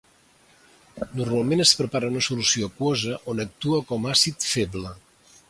Normalment es prepara en solució aquosa on actua com àcid feble.